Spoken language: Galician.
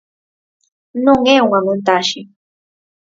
Non é unha montaxe.